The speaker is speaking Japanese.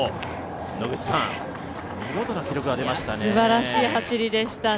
野口さん、見事な記録が出ましたね